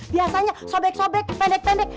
biasanya sobek sobek pendek pendek